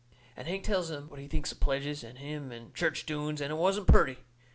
And Hank tells him what he thinks of pledges and him and church doings, and it wasn't purty.